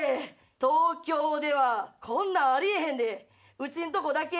東京ではこんなんあり得へんでうちんとこだけや。